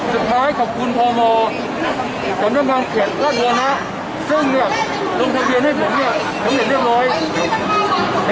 สุดท้ายขอบคุณพมสำนักงานเขตราชบุรณะซึ่งเนี่ยลงทะเบียนให้ผมเนี่ยสำเร็จเรียบร้อย